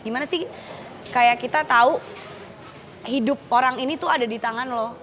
gimana sih kayak kita tahu hidup orang ini tuh ada di tangan loh